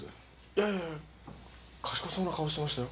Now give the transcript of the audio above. いやいや賢そうな顔してましたよ。